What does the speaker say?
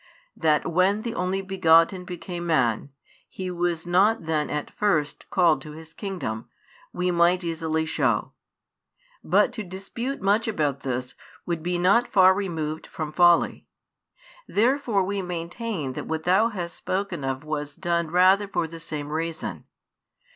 That when the Only Begotten became Man, He was not then at first called to His kingdom, we might |129 easily show. But to dispute much about this would be not far removed from folly. Therefore we maintain that what thou hast spoken of was done rather for the same reason.